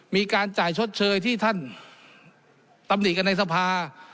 มีการจ่ายชดเชยที่ท่านตำหนิกันในสภา